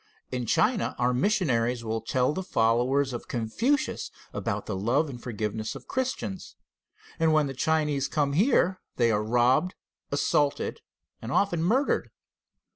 In China our missionaries will tell the followers of Confucius about the love and forgiveness of Christians, and when the Chinese come here they are robbed, assaulted, and often murdered.